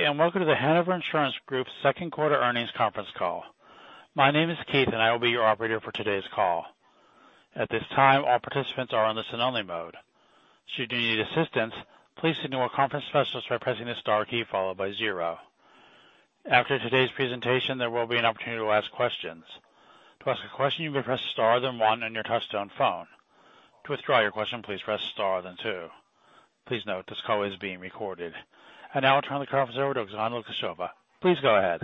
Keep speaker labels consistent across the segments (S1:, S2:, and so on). S1: Good day, welcome to The Hanover Insurance Group's second quarter earnings conference call. My name is Keith, I will be your operator for today's call. At this time, all participants are on listen-only mode. Should you need assistance, please signal a conference specialist by pressing the star key followed by zero. After today's presentation, there will be an opportunity to ask questions. To ask a question, you may press star, then one on your touchtone phone. To withdraw your question, please press star, then two. Please note, this call is being recorded. I now turn the conference over to Oksana Lukasheva. Please go ahead.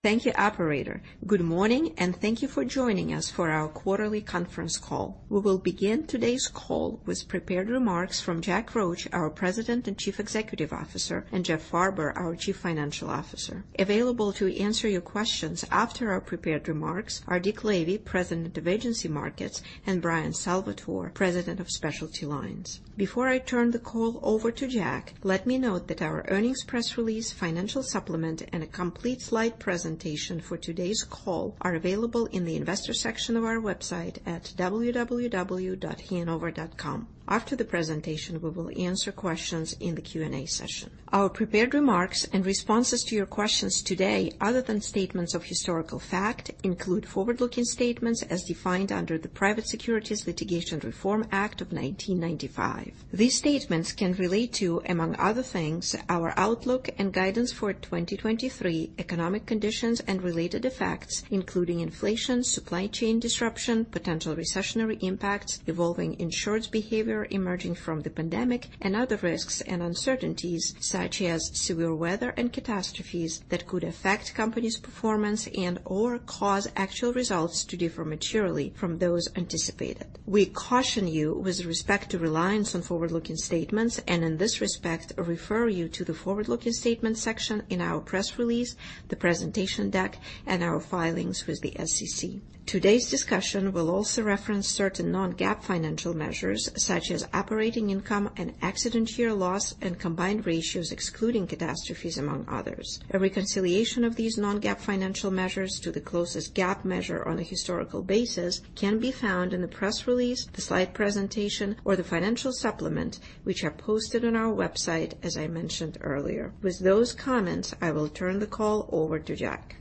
S2: Thank you, operator. Good morning, and thank you for joining us for our quarterly conference call. We will begin today's call with prepared remarks from Jack Roche, our President and Chief Executive Officer, and Jeff Farber, our Chief Financial Officer. Available to answer your questions after our prepared remarks are Dick Lavey, President of Agency Markets, and Bryan Salvatore, President of Specialty Lines. Before I turn the call over to Jack, let me note that our earnings press release, financial supplement, and a complete slide presentation for today's call are available in the investor section of our website at www.hanover.com. After the presentation, we will answer questions in the Q&A session. Our prepared remarks and responses to your questions today, other than statements of historical fact, include forward-looking statements as defined under the Private Securities Litigation Reform Act of 1995. These statements can relate to, among other things, our outlook and guidance for 2023, economic conditions and related effects, including inflation, supply chain disruption, potential recessionary impacts, evolving insured's behavior emerging from the pandemic, and other risks and uncertainties, such as severe weather and catastrophes that could affect company's performance and/or cause actual results to differ materially from those anticipated. We caution you with respect to reliance on forward-looking statements and in this respect, refer you to the forward-looking statement section in our press release, the presentation deck, and our filings with the SEC. Today's discussion will also reference certain non-GAAP financial measures, such as operating income and accident year loss and combined ratios, excluding catastrophes, among others. A reconciliation of these non-GAAP financial measures to the closest GAAP measure on a historical basis can be found in the press release, the slide presentation, or the financial supplement, which are posted on our website, as I mentioned earlier. With those comments, I will turn the call over to Jack.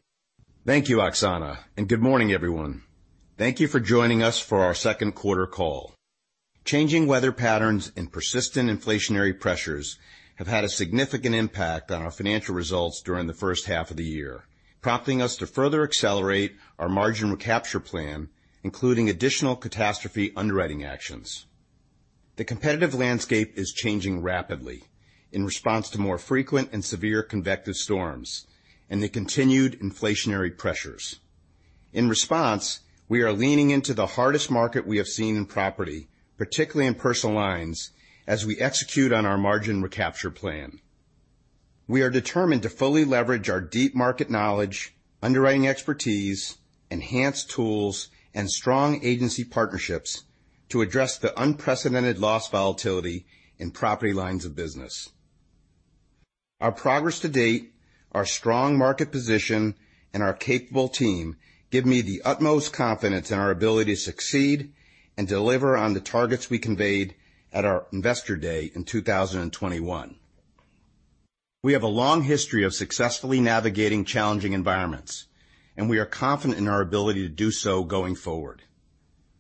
S3: Thank you, Oksana, and good morning, everyone. Thank you for joining us for our second quarter call. Changing weather patterns and persistent inflationary pressures have had a significant impact on our financial results during the first half of the year, prompting us to further accelerate our margin recapture plan, including additional catastrophe underwriting actions. The competitive landscape is changing rapidly in response to more frequent and severe convective storms and the continued inflationary pressures. In response, we are leaning into the hardest market we have seen in property, particularly in personal lines, as we execute on our margin recapture plan. We are determined to fully leverage our deep market knowledge, underwriting expertise, enhanced tools, and strong agency partnerships to address the unprecedented loss volatility in property lines of business. Our progress to date, our strong market position, and our capable team give me the utmost confidence in our ability to succeed and deliver on the targets we conveyed at our Investor Day in 2021. We have a long history of successfully navigating challenging environments, and we are confident in our ability to do so going forward.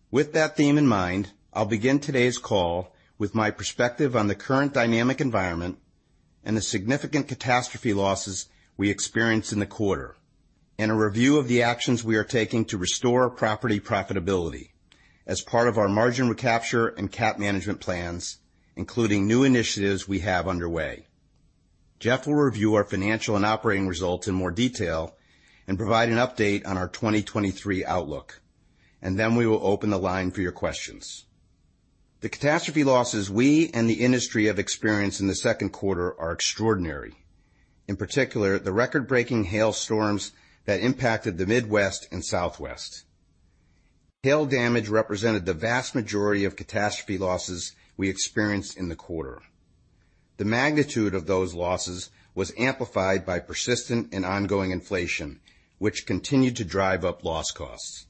S3: With that theme in mind, I'll begin today's call with my perspective on the current dynamic environment and the significant catastrophe losses we experienced in the quarter, and a review of the actions we are taking to restore property profitability as part of our margin recapture and CAT management plans, including new initiatives we have underway. Jeff will review our financial and operating results in more detail and provide an update on our 2023 outlook, and then we will open the line for your questions. The catastrophe losses we and the industry have experienced in the second quarter are extraordinary. In particular, the record-breaking hail storms that impacted the Midwest and Southwest. Hail damage represented the vast majority of catastrophe losses we experienced in the quarter. The magnitude of those losses was amplified by persistent and ongoing inflation, which continued to drive up loss costs.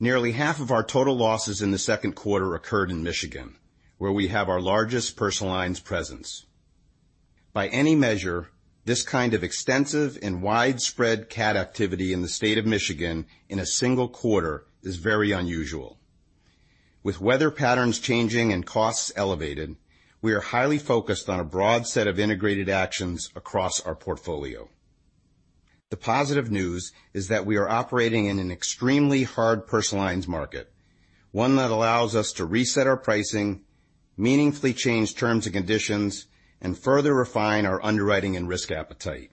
S3: Nearly half of our total losses in the second quarter occurred in Michigan, where we have our largest personal lines presence. By any measure, this kind of extensive and widespread CAT activity in the state of Michigan in a single quarter is very unusual. With weather patterns changing and costs elevated, we are highly focused on a broad set of integrated actions across our portfolio. The positive news is that we are operating in an extremely hard personal lines market, one that allows us to reset our pricing, meaningfully change terms and conditions, and further refine our underwriting and risk appetite.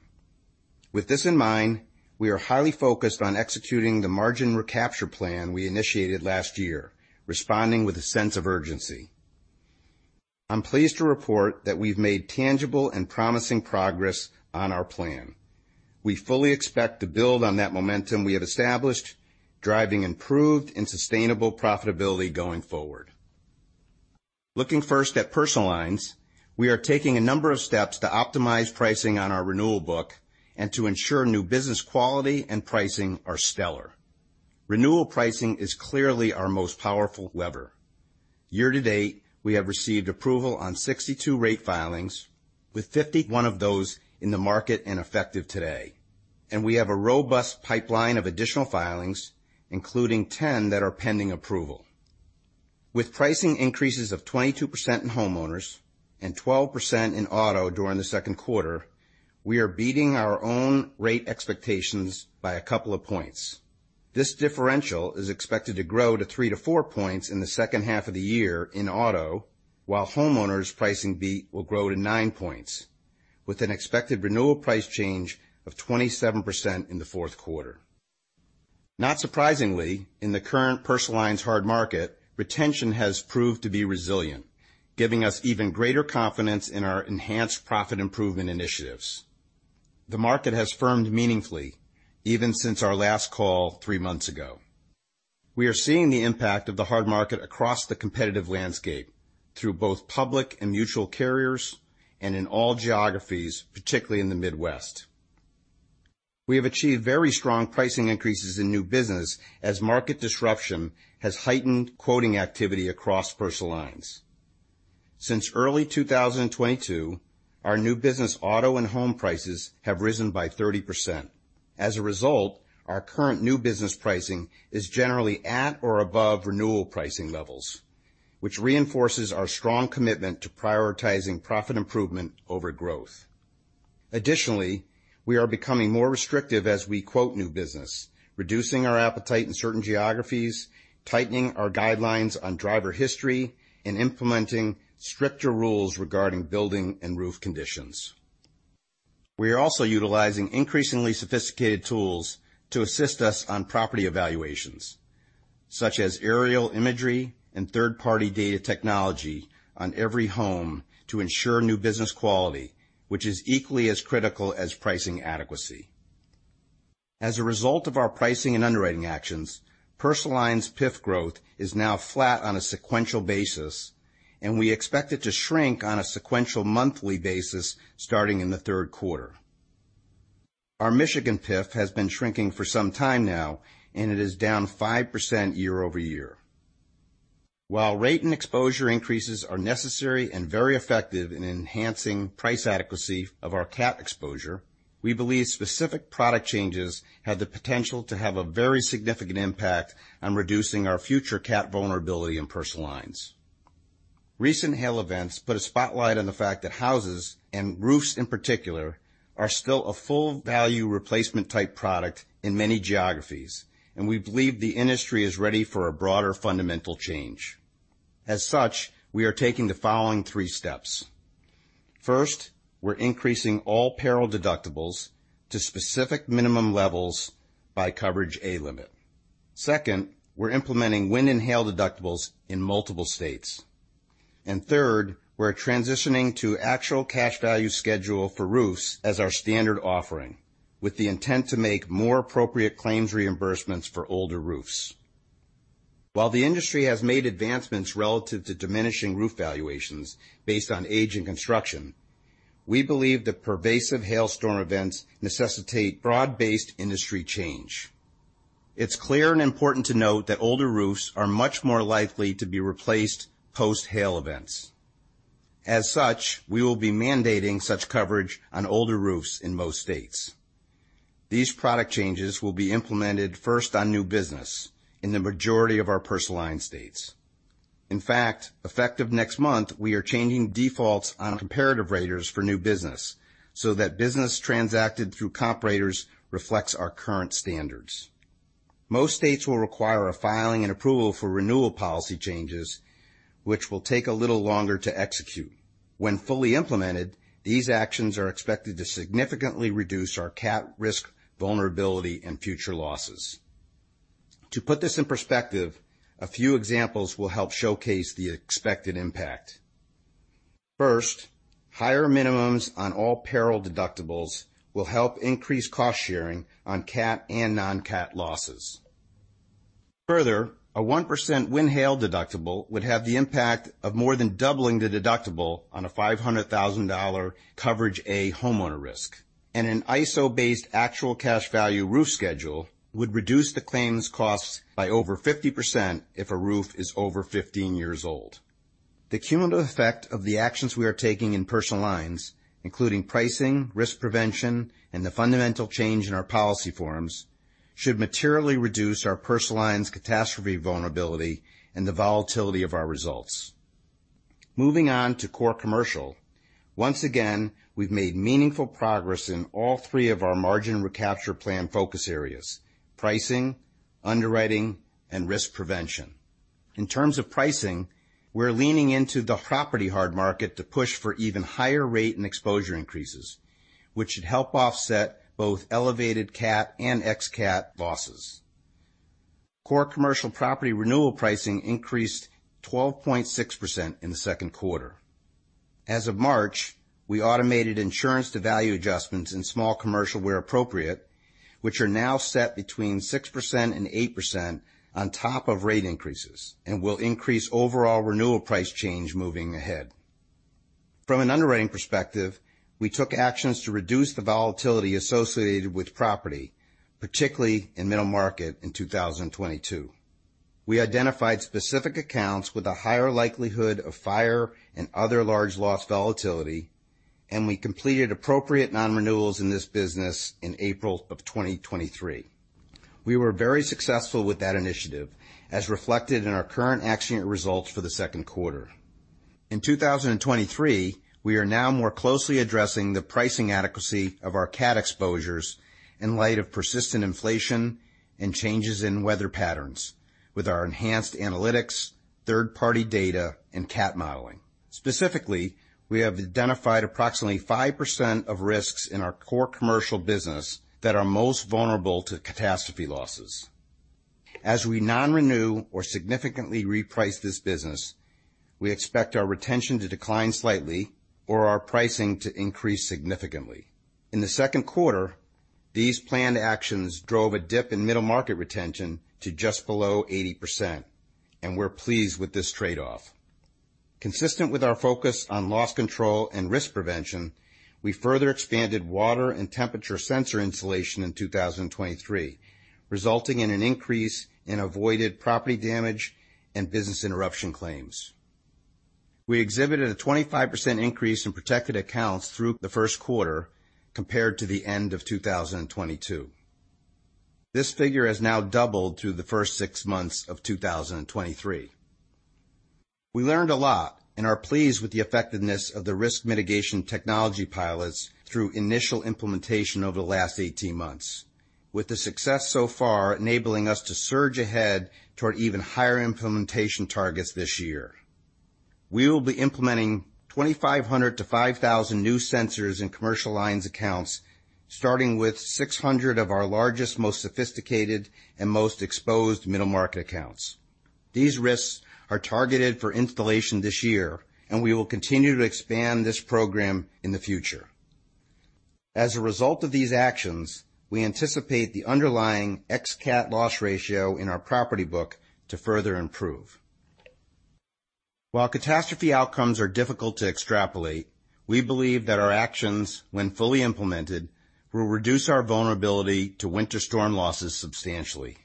S3: With this in mind, we are highly focused on executing the margin recapture plan we initiated last year, responding with a sense of urgency. I'm pleased to report that we've made tangible and promising progress on our plan. We fully expect to build on that momentum we have established, driving improved and sustainable profitability going forward. Looking first at personal lines, we are taking a number of steps to optimize pricing on our renewal book and to ensure new business quality and pricing are stellar. Renewal pricing is clearly our most powerful lever. Year-to-date, we have received approval on 62 rate filings, with 51 of those in the market and effective today, and we have a robust pipeline of additional filings, including 10 that are pending approval. With pricing increases of 22% in homeowners and 12% in auto during the second quarter, we are beating our own rate expectations by a couple of points. This differential is expected to grow to 3-4 points in the second half of the year in auto, while homeowners' pricing beat will grow to 9 points, with an expected renewal price change of 27% in the fourth quarter. Not surprisingly, in the current personal lines hard market, retention has proved to be resilient, giving us even greater confidence in our enhanced profit improvement initiatives. The market has firmed meaningfully even since our last call 3 months ago. We are seeing the impact of the hard market across the competitive landscape through both public and mutual carriers and in all geographies, particularly in the Midwest. We have achieved very strong pricing increases in new business as market disruption has heightened quoting activity across personal lines. Since early 2022, our new business auto and home prices have risen by 30%. As a result, our current new business pricing is generally at or above renewal pricing levels, which reinforces our strong commitment to prioritizing profit improvement over growth. Additionally, we are becoming more restrictive as we quote new business, reducing our appetite in certain geographies, tightening our guidelines on driver history, and implementing stricter rules regarding building and roof conditions. We are also utilizing increasingly sophisticated tools to assist us on property evaluations, such as aerial imagery and third-party data technology on every home to ensure new business quality, which is equally as critical as pricing adequacy. As a result of our pricing and underwriting actions, personal lines PIF growth is now flat on a sequential basis, and we expect it to shrink on a sequential monthly basis starting in the third quarter. Our Michigan PIF has been shrinking for some time now, and it is down 5% year-over-year. While rate and exposure increases are necessary and very effective in enhancing price adequacy of our CAT exposure, we believe specific product changes have the potential to have a very significant impact on reducing our future CAT vulnerability in personal lines. Recent hail events put a spotlight on the fact that houses, and roofs in particular, are still a full value replacement-type product in many geographies, and we believe the industry is ready for a broader fundamental change. As such, we are taking the following three steps. First, we're increasing all peril deductibles to specific minimum levels by Coverage A limit. Second, we're implementing wind and hail deductibles in multiple states. Third, we're transitioning to actual cash value schedule for roofs as our standard offering, with the intent to make more appropriate claims reimbursements for older roofs. While the industry has made advancements relative to diminishing roof valuations based on age and construction, we believe the pervasive hailstorm events necessitate broad-based industry change. It's clear and important to note that older roofs are much more likely to be replaced post-hail events. As such, we will be mandating such coverage on older roofs in most states. These product changes will be implemented first on new business in the majority of our personal line states. In fact, effective next month, we are changing defaults on comparative raters for new business, so that business transacted through comp raters reflects our current standards. Most states will require a filing and approval for renewal policy changes, which will take a little longer to execute. When fully implemented, these actions are expected to significantly reduce our CAT risk, vulnerability, and future losses. To put this in perspective, a few examples will help showcase the expected impact. First, higher minimums on all peril deductibles will help increase cost sharing on CAT and non-CAT losses. Further, a 1% wind/hail deductible would have the impact of more than doubling the deductible on a $500,000 Coverage A homeowner risk, and an ISO-based actual cash value roof schedule would reduce the claims costs by over 50% if a roof is over 15 years old. The cumulative effect of the actions we are taking in personal lines, including pricing, risk prevention, and the fundamental change in our policy forms, should materially reduce our personal lines' catastrophe vulnerability and the volatility of our results. Moving on to Core Commercial. Once again, we've made meaningful progress in all three of our margin recapture plan focus areas: pricing, underwriting, and risk prevention. In terms of pricing, we're leaning into the property hard market to push for even higher rate and exposure increases, which should help offset both elevated CAT and ex-CAT losses. Core Commercial property renewal pricing increased 12.6% in the second quarter. As of March, we automated insurance-to-value adjustments in Small Commercial where appropriate, which are now set between 6% and 8% on top of rate increases and will increase overall renewal price change moving ahead. From an underwriting perspective, we took actions to reduce the volatility associated with property, particularly in Middle Market in 2022. We identified specific accounts with a higher likelihood of fire and other large loss volatility, and we completed appropriate non-renewals in this business in April of 2023. We were very successful with that initiative, as reflected in our current accident results for the second quarter. In 2023, we are now more closely addressing the pricing adequacy of our CAT exposures in light of persistent inflation and changes in weather patterns with our enhanced analytics, third-party data, and CAT modeling. Specifically, we have identified approximately 5% of risks in our Core Commercial business that are most vulnerable to catastrophe losses. As we non-renew or significantly reprice this business, we expect our retention to decline slightly or our pricing to increase significantly. In the second quarter, these planned actions drove a dip in Middle Market retention to just below 80%, and we're pleased with this trade-off. Consistent with our focus on loss control and risk prevention, we further expanded water and temperature sensor installation in 2023, resulting in an increase in avoided property damage and business interruption claims. We exhibited a 25% increase in protected accounts through the first quarter compared to the end of 2022. This figure has now doubled through the first 6 months of 2023. We learned a lot and are pleased with the effectiveness of the risk mitigation technology pilots through initial implementation over the last 18 months, with the success so far enabling us to surge ahead toward even higher implementation targets this year. We will be implementing 2,500-5,000 new sensors in commercial lines accounts, starting with 600 of our largest, most sophisticated and most exposed Middle Market accounts. These risks are targeted for installation this year, and we will continue to expand this program in the future. As a result of these actions, we anticipate the underlying ex-CAT loss ratio in our property book to further improve. While catastrophe outcomes are difficult to extrapolate, we believe that our actions, when fully implemented, will reduce our vulnerability to winter storm losses substantially.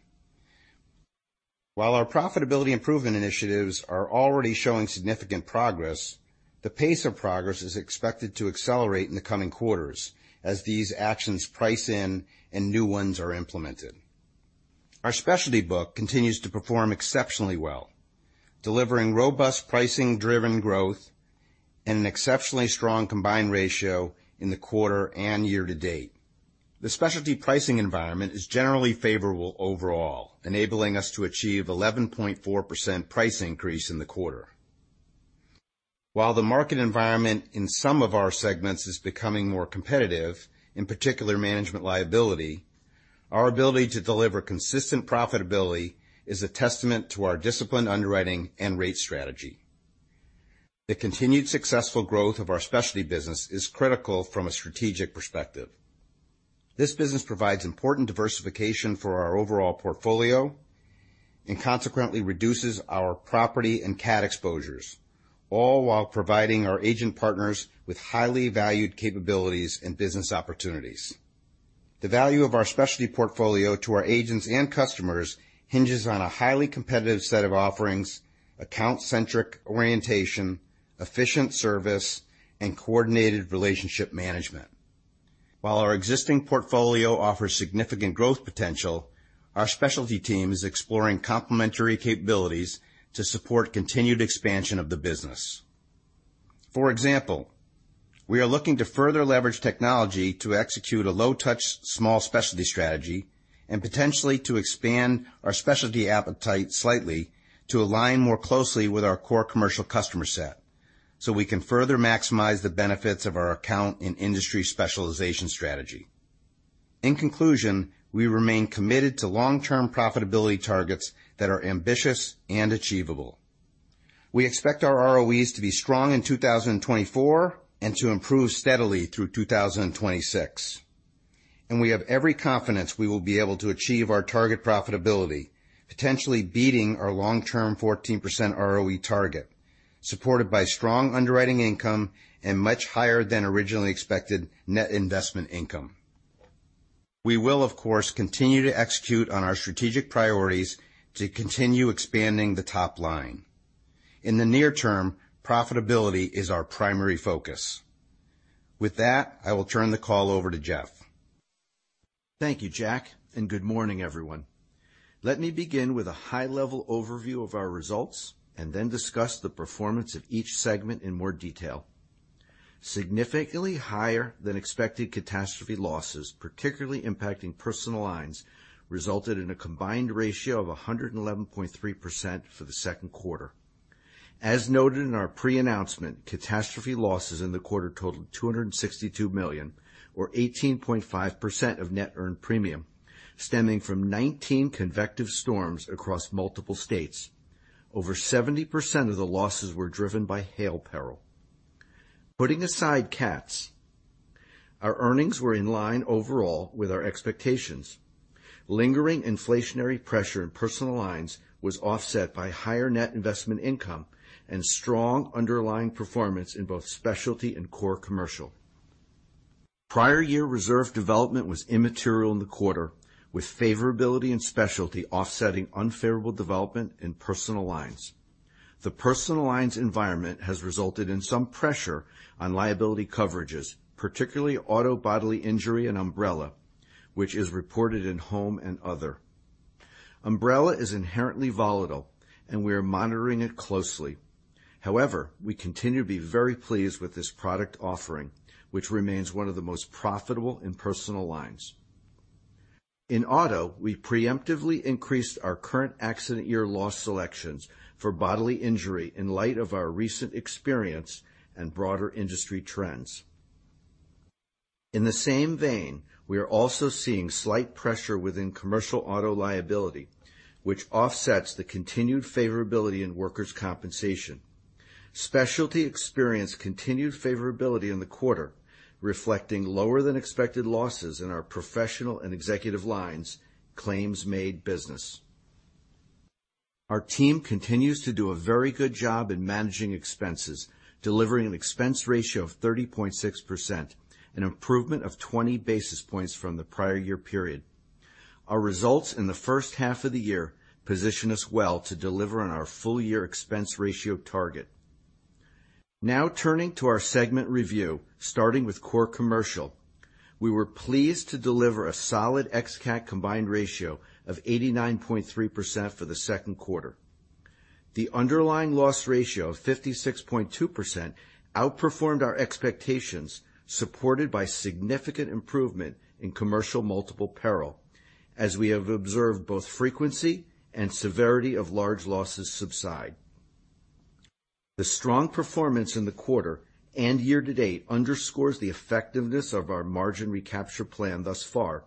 S3: While our profitability improvement initiatives are already showing significant progress, the pace of progress is expected to accelerate in the coming quarters as these actions price in and new ones are implemented. Our Specialty book continues to perform exceptionally well, delivering robust pricing-driven growth and an exceptionally strong combined ratio in the quarter and year to date. The specialty pricing environment is generally favorable overall, enabling us to achieve 11.4% price increase in the quarter. While the market environment in some of our segments is becoming more competitive, in particular management liability, our ability to deliver consistent profitability is a testament to our disciplined underwriting and rate strategy. The continued successful growth of our Specialty business is critical from a strategic perspective. This business provides important diversification for our overall portfolio and consequently reduces our property and CAT exposures, all while providing our agent partners with highly valued capabilities and business opportunities. The value of our Specialty portfolio to our agents and customers hinges on a highly competitive set of offerings, account-centric orientation, efficient service, and coordinated relationship management. While our existing portfolio offers significant growth potential, our Specialty team is exploring complementary capabilities to support continued expansion of the business. For example, we are looking to further leverage technology to execute a low-touch, small Specialty strategy and potentially to expand our Specialty appetite slightly to align more closely with our Core Commercial customer set, so we can further maximize the benefits of our account and industry specialization strategy. In conclusion, we remain committed to long-term profitability targets that are ambitious and achievable. We expect our ROEs to be strong in 2024 and to improve steadily through 2026. We have every confidence we will be able to achieve our target profitability, potentially beating our long-term 14% ROE target, supported by strong underwriting income and much higher than originally expected net investment income. We will, of course, continue to execute on our strategic priorities to continue expanding the top line. In the near term, profitability is our primary focus. With that, I will turn the call over to Jeff.
S4: Thank you, Jack. Good morning, everyone. Let me begin with a high-level overview of our results and then discuss the performance of each segment in more detail. Significantly higher than expected catastrophe losses, particularly impacting personal lines, resulted in a combined ratio of 111.3% for the second quarter. As noted in our pre-announcement, catastrophe losses in the quarter totaled $262 million, or 18.5% of net earned premium, stemming from 19 convective storms across multiple states. Over 70% of the losses were driven by hail peril. Putting aside. Our earnings were in line overall with our expectations. Lingering inflationary pressure in personal lines was offset by higher net investment income and strong underlying performance in both Specialty and Core Commercial. Prior year reserve development was immaterial in the quarter, with favorability and Specialty offsetting unfavorable development in personal lines. The personal lines environment has resulted in some pressure on liability coverages, particularly auto bodily injury and umbrella, which is reported in home and other. Umbrella is inherently volatile, and we are monitoring it closely. However, we continue to be very pleased with this product offering, which remains one of the most profitable in personal lines. In auto, we preemptively increased our current accident year loss selections for bodily injury in light of our recent experience and broader industry trends. In the same vein, we are also seeing slight pressure within commercial auto liability, which offsets the continued favorability in workers' compensation. Specialty experienced continued favorability in the quarter, reflecting lower than expected losses in our professional and executive lines, claims-made business. Our team continues to do a very good job in managing expenses, delivering an expense ratio of 30.6%, an improvement of 20 basis points from the prior year period. Our results in the first half of the year position us well to deliver on our full year expense ratio target. Now turning to our segment review, starting with Core Commercial. We were pleased to deliver a solid ex-CAT combined ratio of 89.3% for the second quarter. The underlying loss ratio of 56.2% outperformed our expectations, supported by significant improvement in commercial multiple peril, as we have observed both frequency and severity of large losses subside. The strong performance in the quarter and year to date underscores the effectiveness of our margin recapture plan thus far,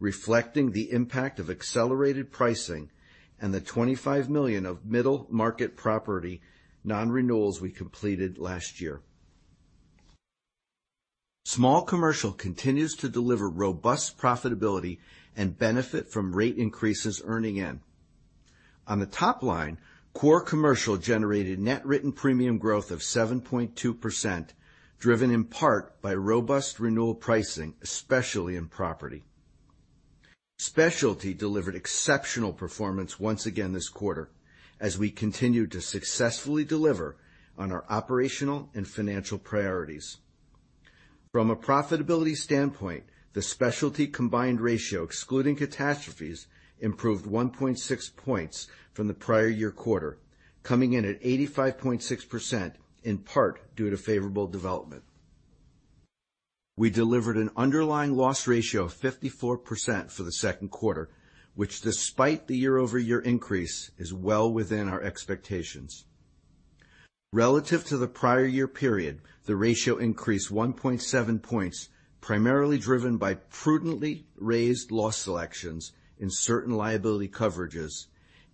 S4: reflecting the impact of accelerated pricing and the $25 million of Middle Market property non-renewals we completed last year. Small Commercial continues to deliver robust profitability and benefit from rate increases earning in. On the top line, Core Commercial generated net written premium growth of 7.2%, driven in part by robust renewal pricing, especially in property. Specialty delivered exceptional performance once again this quarter, as we continued to successfully deliver on our operational and financial priorities. From a profitability standpoint, the specialty combined ratio, excluding catastrophes, improved 1.6 points from the prior year quarter, coming in at 85.6%, in part due to favorable development. We delivered an underlying loss ratio of 54% for the second quarter, which despite the year-over-year increase, is well within our expectations. Relative to the prior year period, the ratio increased 1.7 points, primarily driven by prudently raised loss selections in certain liability coverages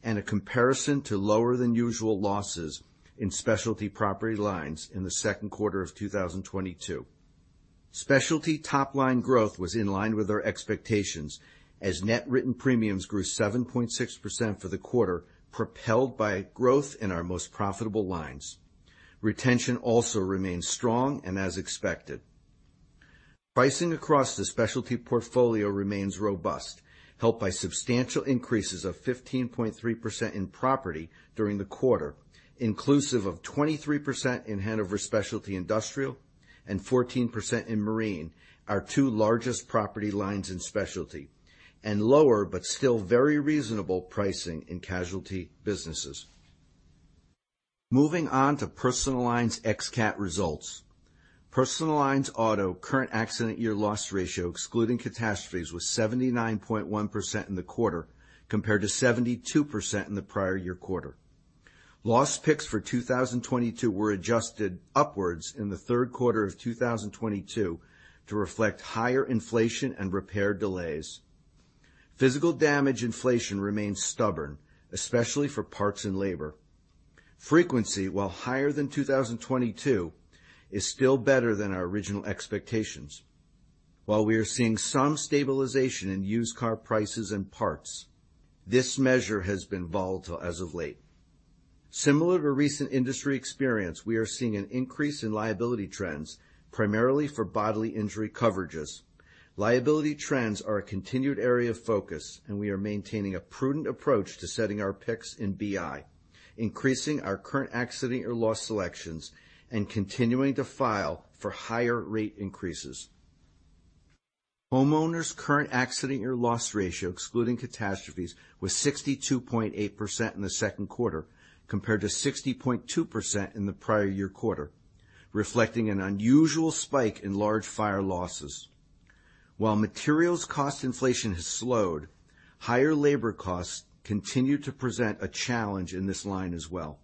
S4: and a comparison to lower than usual losses in specialty property lines in the second quarter of 2022. Specialty top line growth was in line with our expectations, as net written premiums grew 7.6% for the quarter, propelled by growth in our most profitable lines. Retention also remains strong and as expected. Pricing across the Specialty portfolio remains robust, helped by substantial increases of 15.3% in property during the quarter, inclusive of 23% in Hanover Specialty Industrial and 14% in Marine, our two largest property lines in Specialty, and lower, but still very reasonable pricing in casualty businesses. Moving on to personal lines ex-CAT results. Personal lines auto current accident year loss ratio, excluding catastrophes, was 79.1% in the quarter, compared to 72% in the prior year quarter. Loss picks for 2022 were adjusted upwards in the third quarter of 2022 to reflect higher inflation and repair delays. Physical damage inflation remains stubborn, especially for parts and labor. Frequency, while higher than 2022, is still better than our original expectations. While we are seeing some stabilization in used car prices and parts, this measure has been volatile as of late. Similar to recent industry experience, we are seeing an increase in liability trends, primarily for bodily injury coverages. Liability trends are a continued area of focus, we are maintaining a prudent approach to setting our picks in BI, increasing our current accident year loss selections and continuing to file for higher rate increases. Homeowners' current accident year loss ratio, excluding catastrophes, was 62.8% in the second quarter, compared to 60.2% in the prior year quarter, reflecting an unusual spike in large fire losses. While materials cost inflation has slowed, higher labor costs continue to present a challenge in this line as well.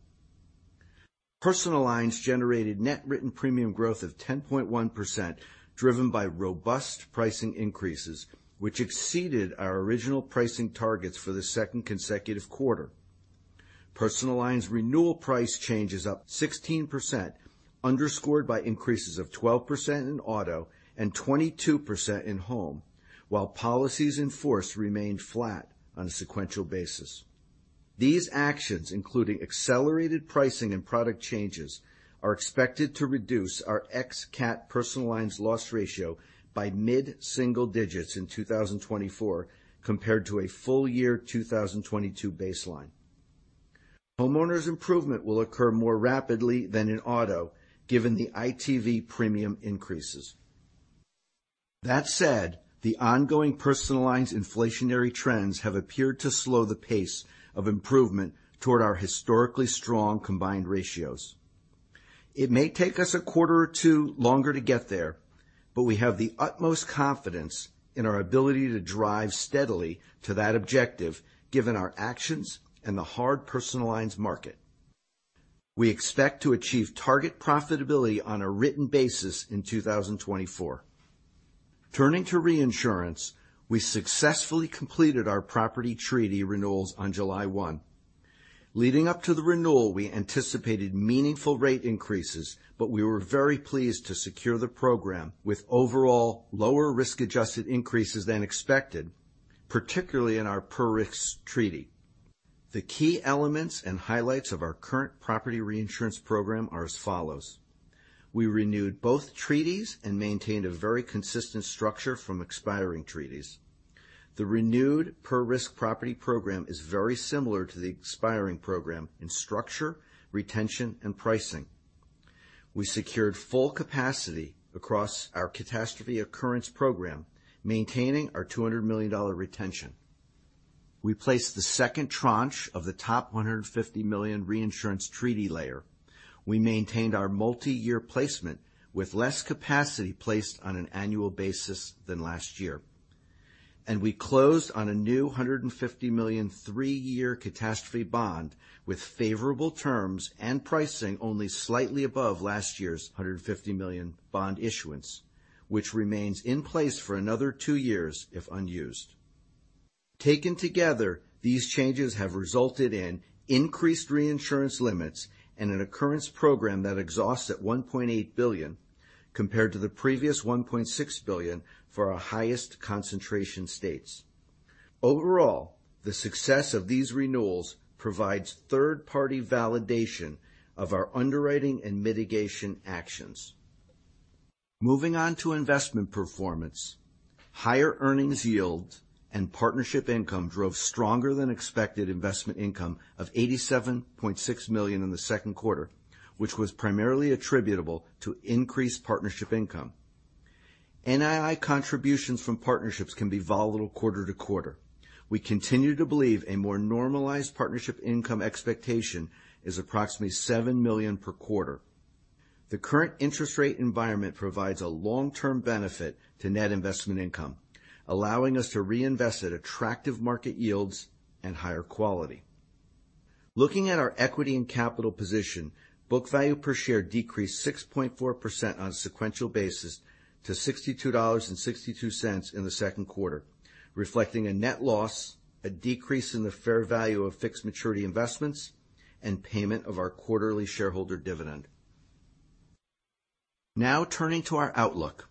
S4: Personal lines generated net written premium growth of 10.1%, driven by robust pricing increases, which exceeded our original pricing targets for the second consecutive quarter. Personal lines renewal price change is up 16%, underscored by increases of 12% in auto and 22% in home, while policies in force remained flat on a sequential basis. These actions, including accelerated pricing and product changes, are expected to reduce our ex-CAT personal lines loss ratio by mid-single digits in 2024, compared to a full year 2022 baseline. Homeowners' improvement will occur more rapidly than in auto, given the ITV premium increases. That said, the ongoing personal lines inflationary trends have appeared to slow the pace of improvement toward our historically strong combined ratios. It may take us a quarter or two longer to get there, but we have the utmost confidence in our ability to drive steadily to that objective, given our actions and the hard personal lines market. We expect to achieve target profitability on a written basis in 2024. Turning to reinsurance, we successfully completed our property treaty renewals on July 1. Leading up to the renewal, we anticipated meaningful rate increases, but we were very pleased to secure the program with overall lower risk-adjusted increases than expected, particularly in our per-risk treaty. The key elements and highlights of our current property reinsurance program are as follows: We renewed both treaties and maintained a very consistent structure from expiring treaties. The renewed per-risk property program is very similar to the expiring program in structure, retention, and pricing. We secured full capacity across our catastrophe occurrence program, maintaining our $200 million retention. We placed the second tranche of the top $150 million reinsurance treaty layer. We maintained our multi-year placement with less capacity placed on an annual basis than last year. We closed on a new $150 million, 3-year catastrophe bond with favorable terms and pricing only slightly above last year's $150 million bond issuance, which remains in place for another 2 years if unused. Taken together, these changes have resulted in increased reinsurance limits and an occurrence program that exhausts at $1.8 billion, compared to the previous $1.6 billion for our highest concentration states. Overall, the success of these renewals provides third-party validation of our underwriting and mitigation actions. Moving on to investment performance. Higher earnings yield and partnership income drove stronger than expected investment income of $87.6 million in the second quarter, which was primarily attributable to increased partnership income. NII contributions from partnerships can be volatile quarter to quarter. We continue to believe a more normalized partnership income expectation is approximately $7 million per quarter. The current interest rate environment provides a long-term benefit to net investment income, allowing us to reinvest at attractive market yields and higher quality. Looking at our equity and capital position, book value per share decreased 6.4% on a sequential basis to $62.62 in the second quarter, reflecting a net loss, a decrease in the fair value of fixed maturity investments, and payment of our quarterly shareholder dividend. Now, turning to our outlook.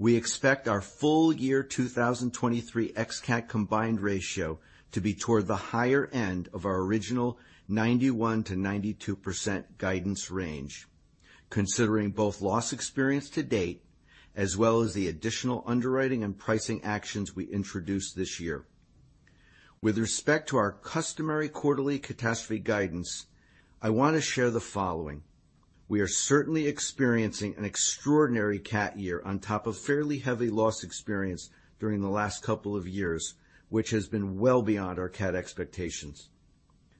S4: We expect our full year 2023 ex-CAT combined ratio to be toward the higher end of our original 91%-92% guidance range, considering both loss experience to date, as well as the additional underwriting and pricing actions we introduced this year. With respect to our customary quarterly catastrophe guidance, I want to share the following: We are certainly experiencing an extraordinary CAT year on top of fairly heavy loss experience during the last couple of years, which has been well beyond our CAT expectations.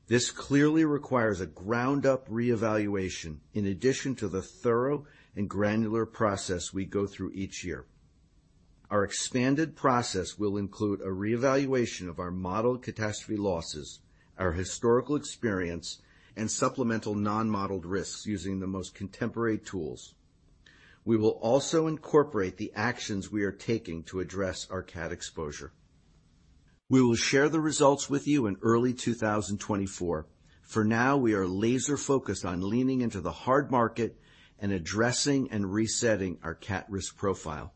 S4: This clearly requires a ground-up reevaluation in addition to the thorough and granular process we go through each year. Our expanded process will include a reevaluation of our modeled catastrophe losses, our historical experience, and supplemental non-modeled risks using the most contemporary tools. We will also incorporate the actions we are taking to address our CAT exposure. We will share the results with you in early 2024. For now, we are laser-focused on leaning into the hard market and addressing and resetting our CAT risk profile.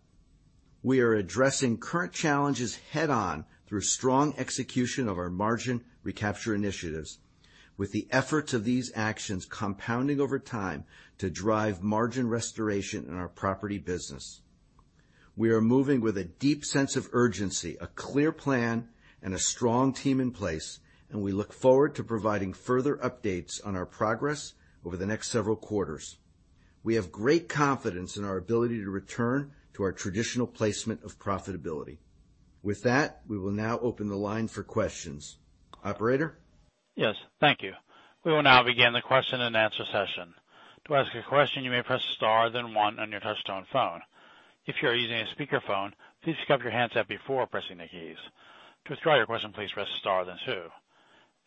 S4: We are addressing current challenges head-on through strong execution of our margin recapture initiatives, with the efforts of these actions compounding over time to drive margin restoration in our property business. We are moving with a deep sense of urgency, a clear plan, and a strong team in place, and we look forward to providing further updates on our progress over the next several quarters. We have great confidence in our ability to return to our traditional placement of profitability. With that, we will now open the line for questions. Operator?
S1: Yes, thank you. We will now begin the question-and-answer session. To ask a question, you may press star, then one on your touchtone phone. If you are using a speakerphone, please pick up your handset before pressing the keys. To withdraw your question, please press star, then two.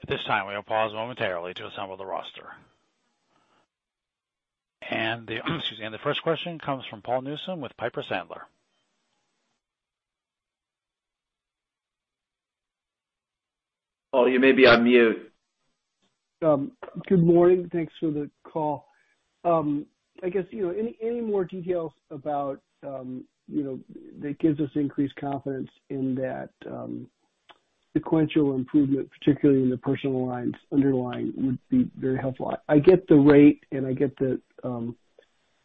S1: At this time, we will pause momentarily to assemble the roster. The, excuse me, and the first question comes from Paul Newsome with Piper Sandler....
S3: Paul, you may be on mute.
S5: Good morning. Thanks for the call. I guess, you know, any, any more details about, you know, that gives us increased confidence in that sequential improvement, particularly in the personal lines underlying, would be very helpful. I get the rate, and I get the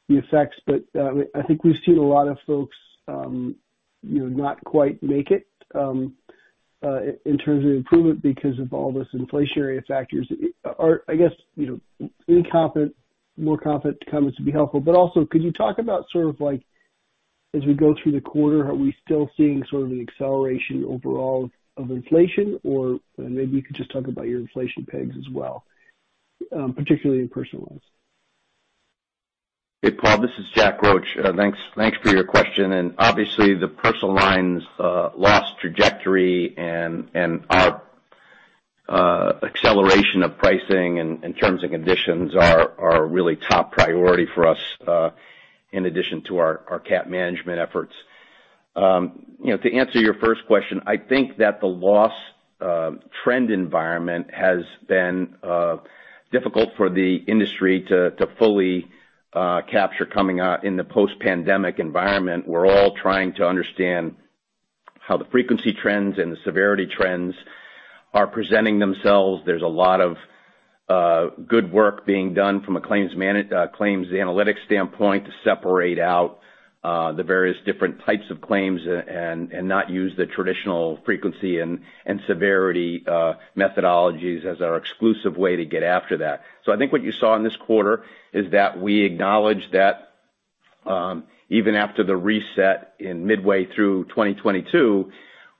S5: effects, but I think we've seen a lot of folks, you know, not quite make it in terms of improvement because of all those inflationary factors. I guess, you know, any confident, more confident comments would be helpful. Also, could you talk about sort of like, as we go through the quarter, are we still seeing sort of an acceleration overall of inflation? Or maybe you could just talk about your inflation pegs as well, particularly in personal lines.
S3: Hey, Paul, this is Jack Roche. Thanks, thanks for your question. Obviously, the personal lines loss trajectory and our acceleration of pricing and terms and conditions are really top priority for us, in addition to our CAT management efforts. You know, to answer your first question, I think that the loss trend environment has been difficult for the industry to fully capture coming out in the post-pandemic environment. We're all trying to understand how the frequency trends and the severity trends are presenting themselves. There's a lot of good work being done from a claims analytics standpoint, to separate out the various different types of claims and not use the traditional frequency and severity methodologies as our exclusive way to get after that. I think what you saw in this quarter is that we acknowledge that, even after the reset in midway through 2022,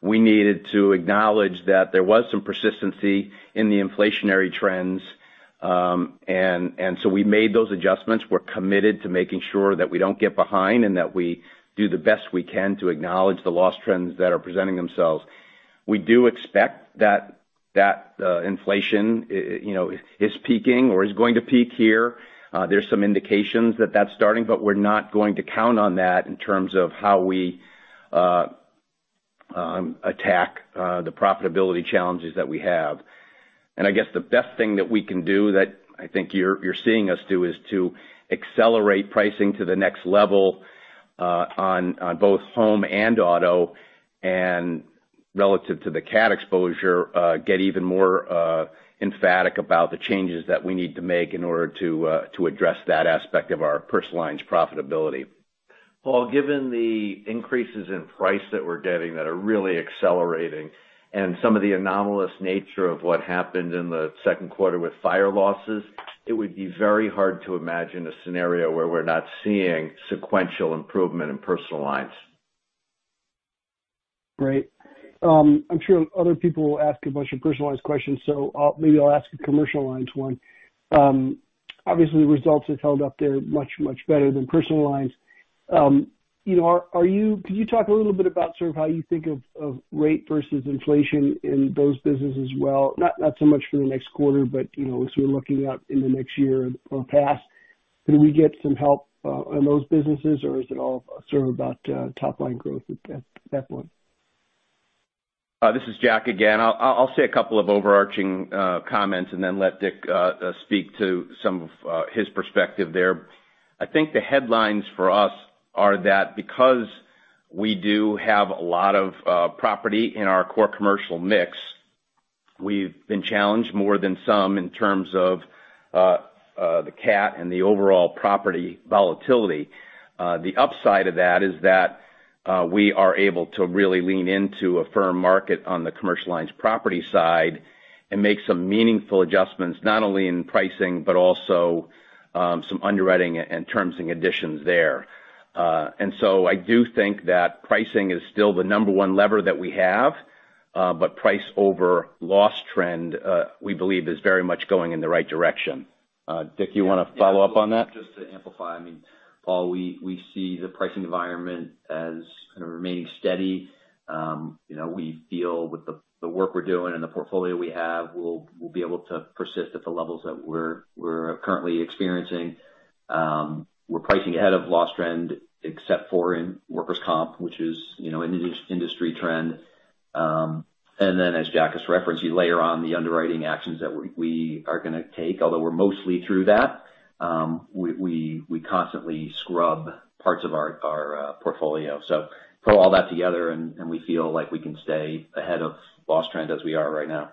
S3: we needed to acknowledge that there was some persistency in the inflationary trends. We made those adjustments. We're committed to making sure that we don't get behind, and that we do the best we can to acknowledge the loss trends that are presenting themselves. We do expect that, that, you know, inflation is peaking or is going to peak here. There's some indications that that's starting, but we're not going to count on that in terms of how we attack the profitability challenges that we have. I guess the best thing that we can do, that I think you're, you're seeing us do, is to accelerate pricing to the next level, on, on both home and auto. Relative to the CAT exposure, get even more, emphatic about the changes that we need to make in order to, to address that aspect of our personal lines profitability. Paul, given the increases in price that we're getting, that are really accelerating, and some of the anomalous nature of what happened in the second quarter with fire losses, it would be very hard to imagine a scenario where we're not seeing sequential improvement in personal lines.
S5: Great. I'm sure other people will ask a bunch of personalized questions, so maybe I'll ask a commercial lines one. Obviously, the results have held up there much, much better than personal lines. You know, can you talk a little bit about sort of how you think of, of rate versus inflation in those businesses as well? Not, not so much for the next quarter, but, you know, as we're looking out in the next year or past, can we get some help on those businesses, or is it all sort of about top line growth at that, that point?
S3: This is Jack again. I'll, I'll say a couple of overarching comments and then let Dick speak to some of his perspective there. I think the headlines for us are that because we do have a lot of property in our core commercial mix, we've been challenged more than some in terms of the CAT and the overall property volatility. The upside of that is that we are able to really lean into a firm market on the commercial lines property side and make some meaningful adjustments, not only in pricing, but also some underwriting and terms and additions there. So I do think that pricing is still the number one lever that we have, but price over loss trend, we believe is very much going in the right direction. Dick, you want to follow up on that?
S6: Just to amplify, I mean, Paul, we, we see the pricing environment as kind of remaining steady. You know, we feel with the work we're doing and the portfolio we have, we'll, we'll be able to persist at the levels that we're, we're currently experiencing. We're pricing ahead of loss trend, except for in workers' comp, which is, you know, an industry trend. And then, as Jack has referenced, you layer on the underwriting actions that we, we are going to take, although we're mostly through that, we, we, we constantly scrub parts of our, our portfolio. Pull all that together and, and we feel like we can stay ahead of loss trend as we are right now.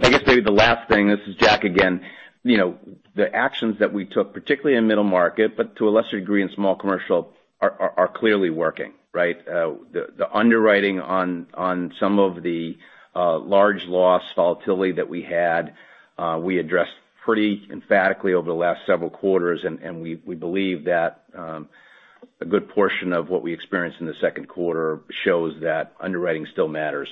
S3: I guess maybe the last thing, this is Jack again. You know, the actions that we took, particularly in Middle Market, but to a lesser degree in Small Commercial, are clearly working, right? The underwriting on some of the large loss volatility that we had, we addressed pretty emphatically over the last several quarters, and we believe that a good portion of what we experienced in the second quarter shows that underwriting still matters.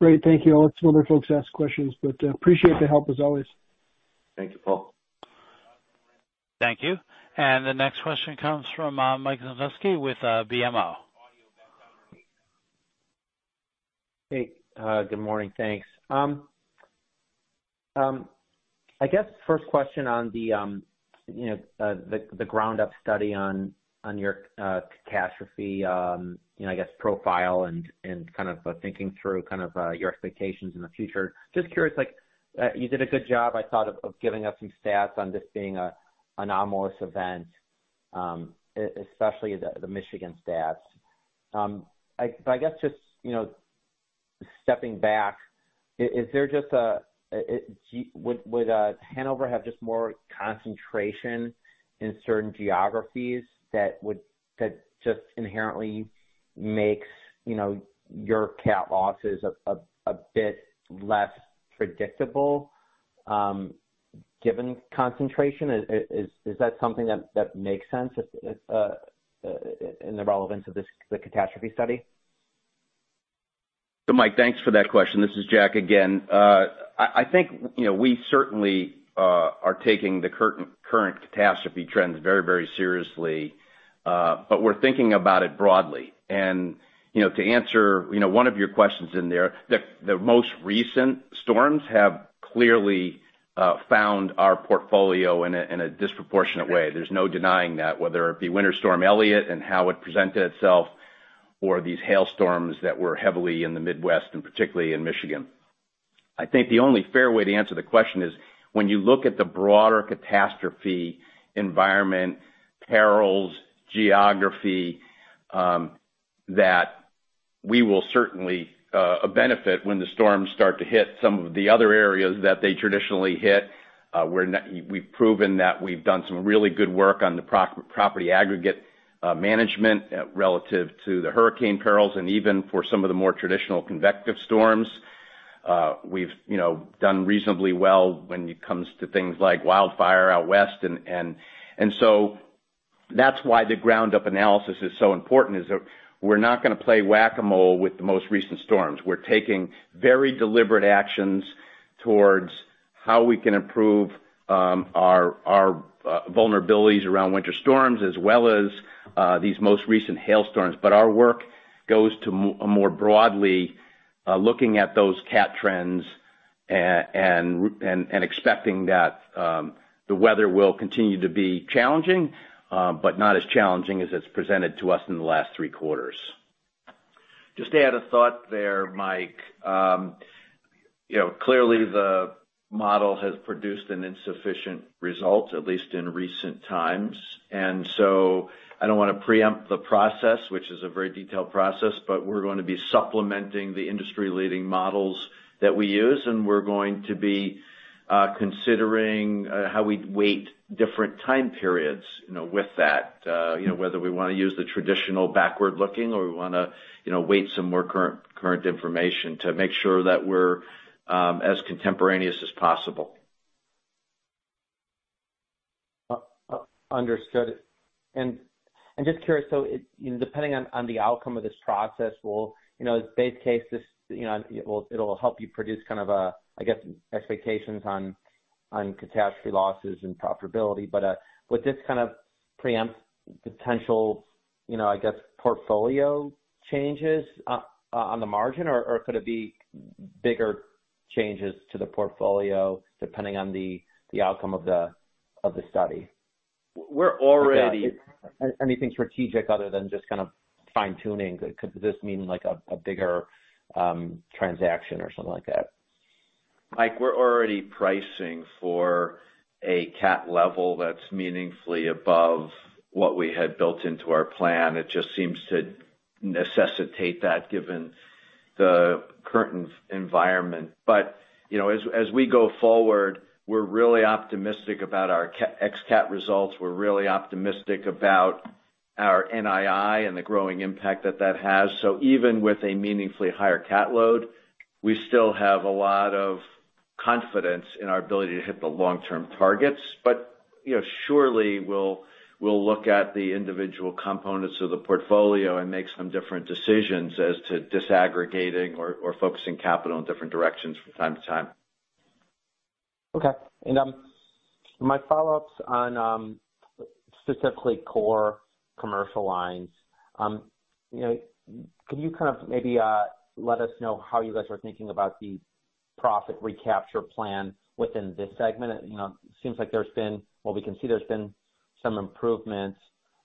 S5: Great. Thank you. I'll let some other folks ask questions, but, appreciate the help, as always.
S3: Thank you, Paul.
S1: Thank you. The next question comes from Mike Zaremski with BMO.
S7: Hey, good morning. Thanks. I guess first question on the, you know, the, the ground-up study on, on your catastrophe, you know, I guess profile and, and kind of thinking through kind of your expectations in the future. Just curious, like, you did a good job, I thought, of giving us some stats on this being a, an anomalous event, especially the Michigan stats. I guess just, you know, stepping back, is there just more concentration in certain geographies that would, that just inherently makes, you know, your CAT losses a bit less predictable, given concentration? Is that something that makes sense in the relevance of this, the catastrophe study?
S3: Mike, thanks for that question. This is Jack Roche again. I, I think, you know, we certainly are taking the current, current catastrophe trends very, very seriously, but we're thinking about it broadly. You know, to answer, you know, one of your questions in there, the, the most recent storms have clearly found our portfolio in a, in a disproportionate way. There's no denying that, whether it be Winter Storm Elliott and how it presented itself, or these hail storms that were heavily in the Midwest, and particularly in Michigan. I think the only fair way to answer the question is, when you look at the broader catastrophe environment, perils, geography, that we will certainly benefit when the storms start to hit some of the other areas that they traditionally hit. We've proven that we've done some really good work on the property aggregate management relative to the hurricane perils, and even for some of the more traditional convective storms. We've, you know, done reasonably well when it comes to things like wildfire out West. So that's why the ground-up analysis is so important, is that we're not gonna play Whac-A-Mole with the most recent storms. We're taking very deliberate actions towards how we can improve our vulnerabilities around winter storms, as well as these most recent hail storms. Our work goes to more broadly looking at those CAT trends and expecting that the weather will continue to be challenging, but not as challenging as it's presented to us in the last three quarters. Just to add a thought there, Mike. you know, clearly the model has produced an insufficient result, at least in recent times, and so I don't want to preempt the process, which is a very detailed process, but we're going to be supplementing the industry-leading models that we use, and we're going to be considering how we'd weight different time periods, you know, with that. you know, whether we want to use the traditional backward-looking or we want to, you know, weight some more current, current information to make sure that we're as contemporaneous as possible.
S7: Understood. Just curious, so it, you know, depending on, on the outcome of this process, will, you know, base case, this, you know, it will, it'll help you produce kind of a, I guess, expectations on, on catastrophe losses and profitability. Would this kind of preempt potential, you know, I guess, portfolio changes, on the margin, or, or could it be bigger changes to the portfolio, depending on the, the outcome of the, of the study?
S3: We're already-
S7: Anything strategic other than just kind of fine-tuning? Could this mean, like, a, a bigger transaction or something like that?
S3: Mike, we're already pricing for a CAT level that's meaningfully above what we had built into our plan. It just seems to necessitate that, given the current environment. you know, as we go forward, we're really optimistic about our ex-CAT results, we're really optimistic about our NII and the growing impact that that has. Even with a meaningfully higher CAT load, we still have a lot of confidence in our ability to hit the long-term targets. you know, surely, we'll look at the individual components of the portfolio and make some different decisions as to disaggregating or focusing capital in different directions from time to time.
S7: Okay. My follow-up's on specifically Core Commercial lines. You know, can you kind of maybe let us know how you guys are thinking about the profit recapture plan within this segment? You know, it seems like there's been-- well, we can see there's been some improvements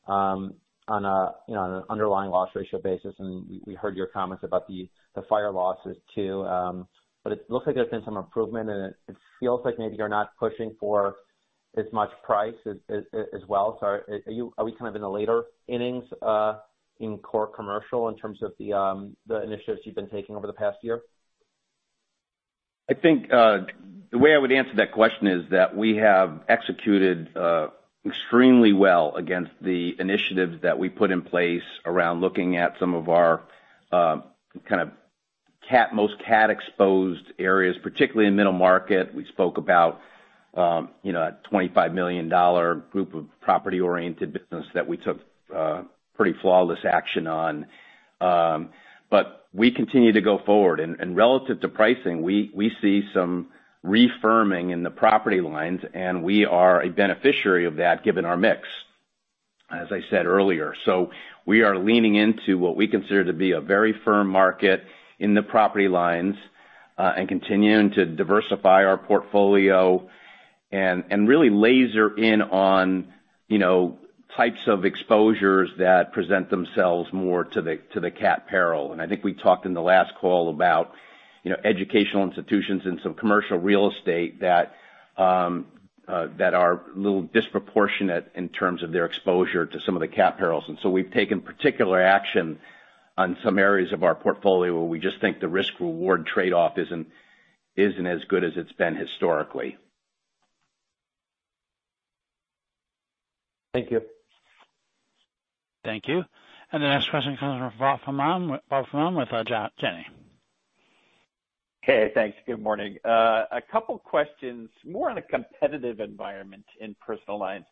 S7: on a, you know, on an underlying loss ratio basis, and we, we heard your comments about the fire losses, too. It looks like there's been some improvement, and it, it feels like maybe you're not pushing for as much price as, as, as well. Are, are you-- are we kind of in the later innings in Core Commercial in terms of the initiatives you've been taking over the past year?
S3: I think the way I would answer that question is that we have executed extremely well against the initiatives that we put in place around looking at some of our kind of CAT, most CAT-exposed areas, particularly in Middle Market. We spoke about, you know, a $25 million group of property-oriented business that we took pretty flawless action on. We continue to go forward, and relative to pricing, we see some refirming in the property lines, and we are a beneficiary of that, given our mix as I said earlier. We are leaning into what we consider to be a very firm market in the property lines, and continuing to diversify our portfolio and really laser in on, you know, types of exposures that present themselves more to the CAT peril. I think we talked in the last call about, you know, educational institutions and some commercial real estate that are a little disproportionate in terms of their exposure to some of the CAT perils. We've taken particular action on some areas of our portfolio where we just think the risk-reward trade-off isn't, isn't as good as it's been historically.
S7: Thank you.
S1: Thank you. The next question comes from Bob Farnam, Bob Farnam with Ja- Janney.
S8: Hey, thanks. Good morning. A couple of questions, more on the competitive environment in personal lines.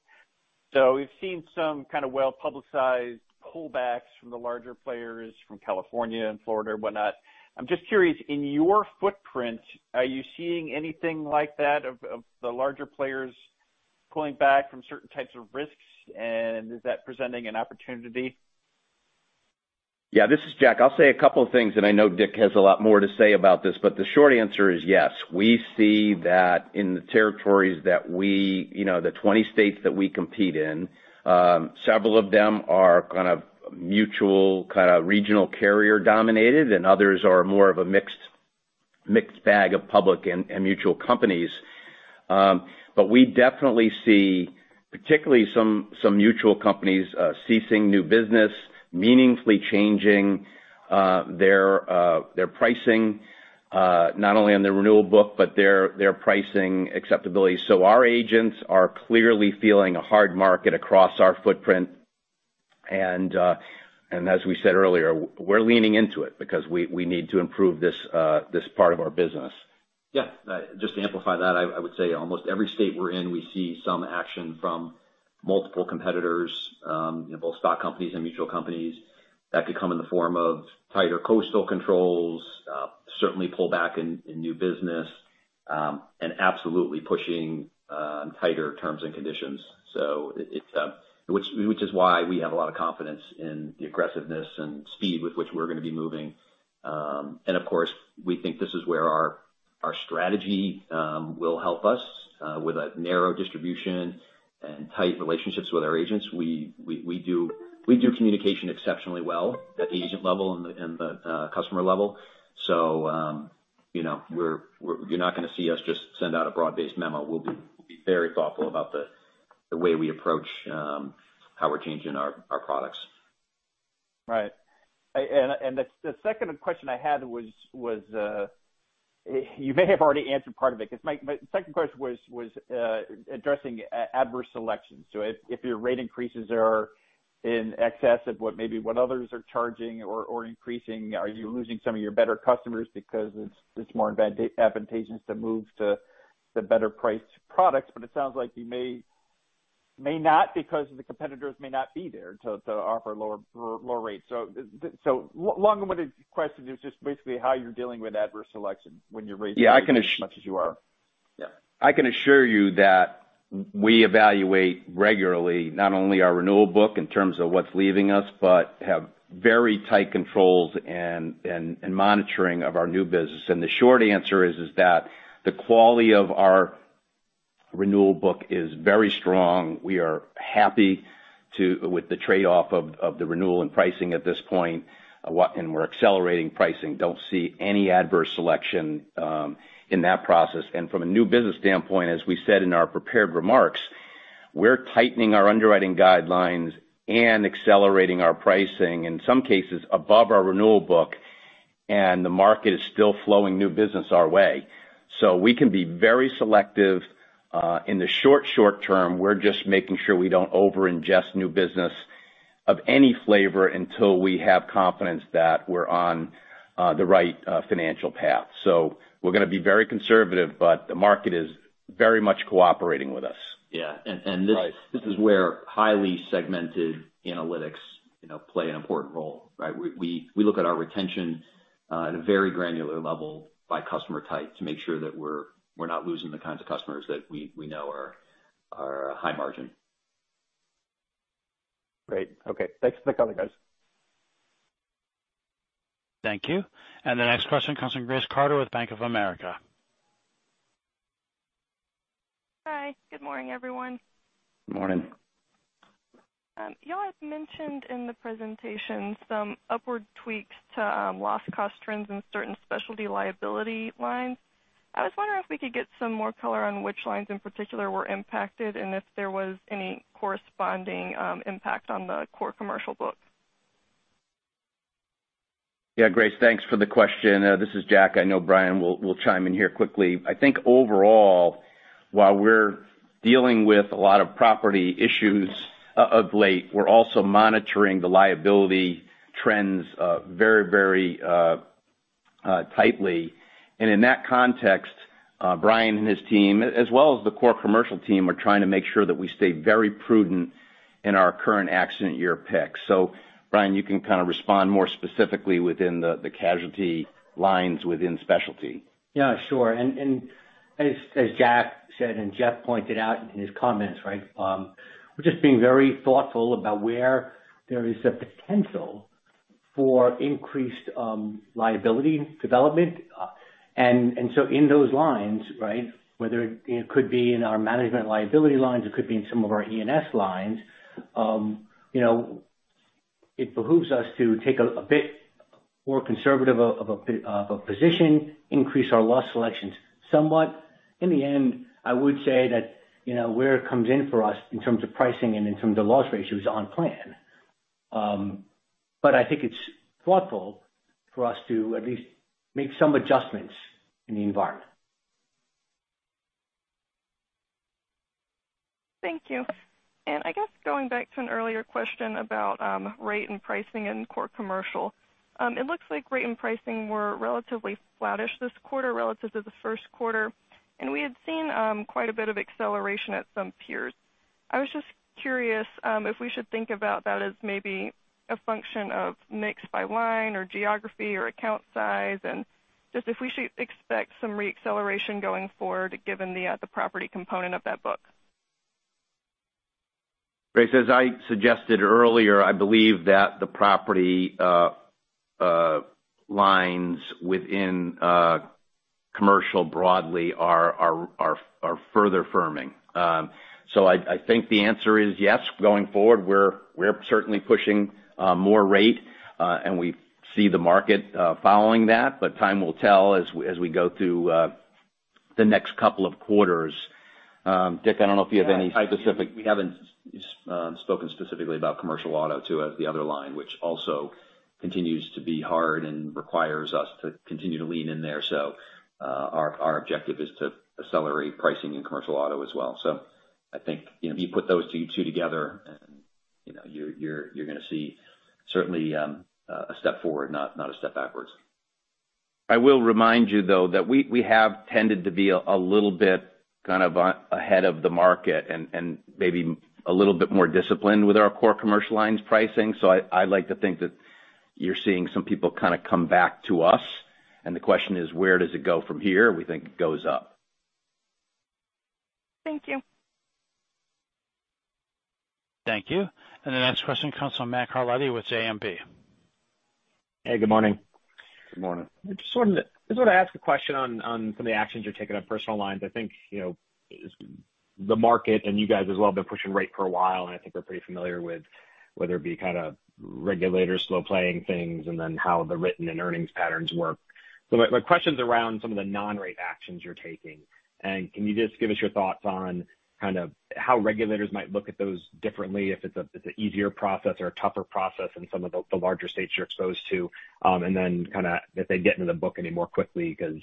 S8: We've seen some kind of well-publicized pullbacks from the larger players from California and Florida and whatnot. I'm just curious, in your footprint, are you seeing anything like that of, of the larger players pulling back from certain types of risks? Is that presenting an opportunity?
S3: Yeah, this is Jack. I know Dick has a lot more to say about this, the short answer is yes. We see that in the territories that we -- you know, the 20 states that we compete in, several of them are kind of mutual, kind of regional carrier-dominated, and others are more of a mixed, mixed bag of public and, and mutual companies. We definitely see, particularly some, some mutual companies, ceasing new business, meaningfully changing their, their pricing, not only on their renewal book, but their, their pricing acceptability. Our agents are clearly feeling a hard market across our footprint, as we said earlier, we're leaning into it because we, we need to improve this part of our business.
S6: Yeah. Just to amplify that, I, I would say almost every state we're in, we see some action from multiple competitors in both stock companies and mutual companies. That could come in the form of tighter coastal controls, certainly pull back in, in new business, and absolutely pushing tighter terms and conditions. Which, which is why we have a lot of confidence in the aggressiveness and speed with which we're going to be moving. Of course, we think this is where our, our strategy will help us with a narrow distribution and tight relationships with our agents. We, we, we do, we do communication exceptionally well at the agent level and the, and the customer level. You know, you're not going to see us just send out a broad-based memo. We'll be, we'll be very thoughtful about the, the way we approach, how we're changing our, our products.
S8: Right. The, the second question I had was, was, you may have already answered part of it, because my, my second question was, was, addressing adverse selection. If, if your rate increases are in excess of what maybe what others are charging or, or increasing, are you losing some of your better customers because it's, it's more advantageous to move to the better priced products? It sounds like you may, may not because the competitors may not be there to, to offer lower, lower rates. Long-winded question is just basically how you're dealing with adverse selection when you're raising-
S3: Yeah, I can-...
S8: as much as you are. Yeah.
S3: I can assure you that we evaluate regularly, not only our renewal book in terms of what's leaving us, but have very tight controls and monitoring of our new business. The short answer is, is that the quality of our renewal book is very strong. We are happy to, with the trade-off of the renewal and pricing at this point, and we're accelerating pricing. Don't see any adverse selection in that process. From a new business standpoint, as we said in our prepared remarks, we're tightening our underwriting guidelines and accelerating our pricing, in some cases above our renewal book, and the market is still flowing new business our way. We can be very selective in the short, short term. We're just making sure we don't over-ingest new business of any flavor until we have confidence that we're on the right financial path. We're going to be very conservative, but the market is very much cooperating with us.
S6: Yeah.
S8: Right.
S6: And this is where highly segmented analytics, you know, play an important role, right? We look at our retention at a very granular level by customer type to make sure that we're not losing the kinds of customers that we know are high margin.
S8: Great. Okay. Thanks for the color, guys.
S1: Thank you. The next question comes from Grace Carter with Bank of America.
S9: Hi, good morning, everyone.
S6: Morning.
S9: You all have mentioned in the presentation some upward tweaks to loss cost trends in certain specialty liability lines. I was wondering if we could get some more color on which lines in particular were impacted, and if there was any corresponding impact on the Core Commercial book?
S3: Yeah, Grace, thanks for the question. This is Jack. I know Bryan will, will chime in here quickly. I think overall, while we're dealing with a lot of property issues of late, we're also monitoring the liability trends, very, very tightly. In that context, Bryan and his team, as well as the Core Commercial team, are trying to make sure that we stay very prudent in our current accident year picks. Bryan, you can kind of respond more specifically within the casualty lines within Specialty.
S10: Yeah, sure. And as, as Jack said, and Jeff pointed out in his comments, right, we're just being very thoughtful about where there is a potential for increased, liability development. And so in those lines, right? Whether it, it could be in our management liability lines, it could be in some of our E&S lines, you know, it behooves us to take a, a bit more conservative of a, of a, a position, increase our loss selections somewhat. In the end, I would say that, you know, where it comes in for us in terms of pricing and in terms of loss ratios on plan. I think it's thoughtful for us to at least make some adjustments in the environment.
S9: Thank you. I guess going back to an earlier question about rate and pricing in Core Commercial. It looks like rate and pricing were relatively flattish this quarter relative to the first quarter, and we had seen quite a bit of acceleration at some peers. I was just curious if we should think about that as maybe a function of mix by line or geography or account size, and just if we should expect some reacceleration going forward, given the property component of that book.
S3: Grace, as I suggested earlier, I believe that the property lines within commercial broadly are further firming. I think the answer is yes. Going forward, we're certainly pushing more rate, and we see the market following that, but time will tell as we go through the next couple of quarters. Dick, I don't know if you have any specific-
S6: I think we haven't spoken specifically about commercial auto, too, as the other line, which also continues to be hard and requires us to continue to lean in there. Our, our objective is to accelerate pricing in commercial auto as well. I think, you know, if you put those two, two together and, you know, you're, you're, you're gonna see certainly a step forward, not, not a step backwards.
S3: I will remind you, though, that we have tended to be a little bit kind of ahead of the market and maybe a little bit more disciplined with our Core Commercial lines pricing. I'd like to think that you're seeing some people kind of come back to us, and the question is, where does it go from here? We think it goes up.
S9: Thank you.
S1: Thank you. The next question comes from Matt Carletti with JMP.
S11: Hey, good morning.
S6: Good morning.
S11: Just want to ask a question on some of the actions you're taking on personal lines. I think, you know, the market and you guys as well, have been pushing rate for a while, and I think we're pretty familiar with whether it be kind of regulators slow-playing things and then how the written and earnings patterns work. My question's around some of the non-rate actions you're taking, and can you just give us your thoughts on kind of how regulators might look at those differently, if it's an easier process or a tougher process in some of the larger states you're exposed to? Then kind of if they get into the book any more quickly, because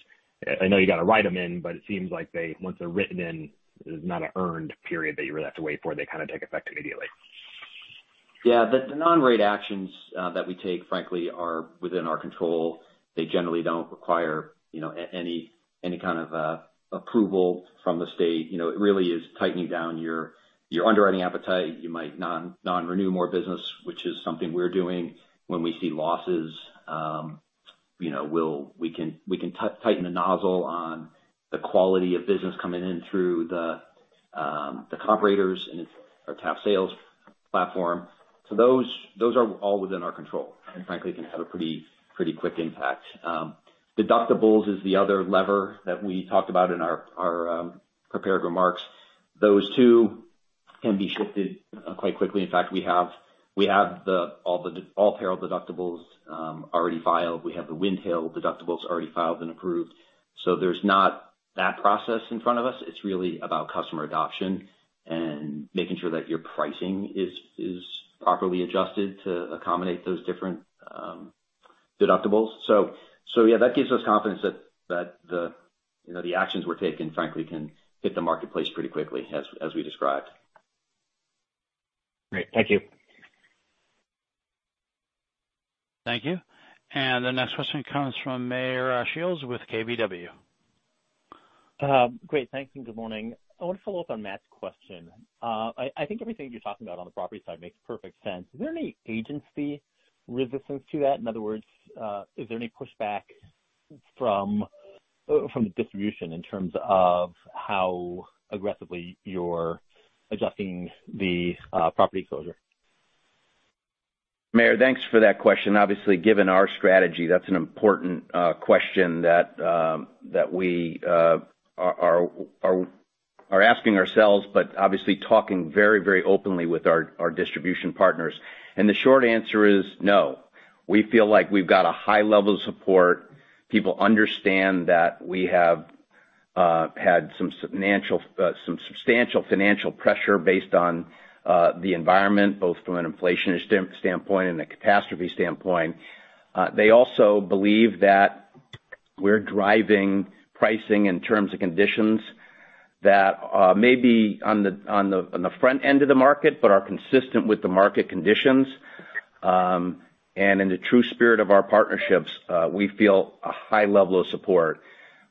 S11: I know you got to write them in, but it seems like they, once they're written in, there's not an earned period that you really have to wait for. They kind of take effect immediately.
S3: Yeah. The non-rate actions that we take, frankly, are within our control. They generally don't require, you know, any kind of approval from the state. You know, it really is tightening down your underwriting appetite. You might non-renew more business, which is something we're doing. When we see losses, you know, we can tighten the nozzle on the quality of business coming in through the operators and our top sales platform. So those are all within our control, and frankly, can have a pretty quick impact. Deductibles is the other lever that we talked about in our prepared remarks. Those two can be shifted quite quickly. In fact, we have all peril deductibles already filed. We have the wind hail deductibles already filed and approved, so there's not that process in front of us. It's really about customer adoption and making sure that your pricing is properly adjusted to accommodate those different deductibles. So yeah, that gives us confidence that the, you know, the actions we're taking, frankly, can hit the marketplace pretty quickly, as we described.
S11: Great. Thank you.
S1: Thank you. The next question comes from Meyer Shields with KBW.
S12: Great. Thanks, and good morning. I want to follow up on Matt's question. I, I think everything you're talking about on the property side makes perfect sense. Is there any agency resistance to that? In other words, is there any pushback from the distribution in terms of how aggressively you're adjusting the property closure?
S3: Meyer, thanks for that question. Obviously, given our strategy, that's an important question that we are asking ourselves, but obviously talking very, very openly with our distribution partners. The short answer is no. We feel like we've got a high level of support. People understand that we have had some financial, some substantial financial pressure based on the environment, both from an inflationist standpoint and a catastrophe standpoint. They also believe that we're driving pricing in terms of conditions that may be on the front end of the market, but are consistent with the market conditions. In the true spirit of our partnerships, we feel a high level of support.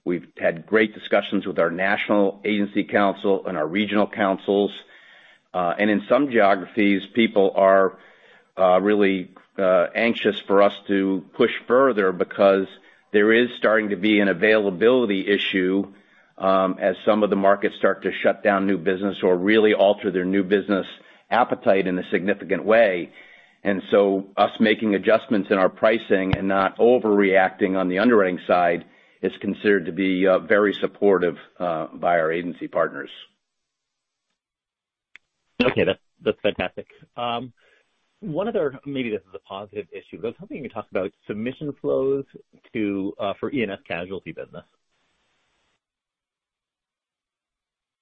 S3: We've had great discussions with our national agency council and our regional councils, and in some geographies, people are really anxious for us to push further because there is starting to be an availability issue as some of the markets start to shut down new business or really alter their new business appetite in a significant way. Us making adjustments in our pricing and not overreacting on the underwriting side is considered to be very supportive by our agency partners.
S12: Okay, that's, that's fantastic. One other, maybe this is a positive issue, but I was hoping you could talk about submission flows to for E&S Casualty business.